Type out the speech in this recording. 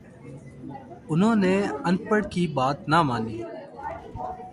انہوں نے اَن پڑھ کی بات نہ مانی